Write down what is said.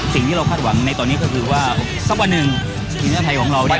สิ่งที่เราคาดหวังในตอนนี้ก็คือว่าสักวันหนึ่งทีมชาติไทยของเราเนี่ย